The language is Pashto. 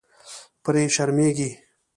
پرې شرمېږي.